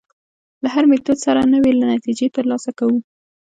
له هر میتود سره نوې نتیجې تر لاسه کوو.